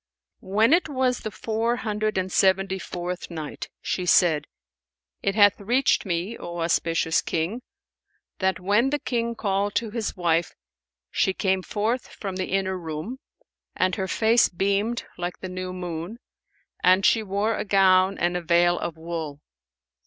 When it was the Four Hundred and Seventy fourth Night, She said, It hath reached me, O auspicious King, that 'when the King called to his wife, she came forth from the inner room; and her face beamed like the new moon; and she wore a gown and a veil of wool.